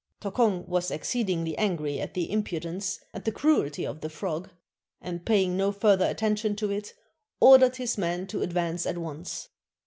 Tokong was exceedingly angry at the impudence and the cruelty of the frog, and, pay ing no further attention to it, ordered his men to advance at once.